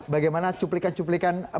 bagaimana cuplikan cuplikan berita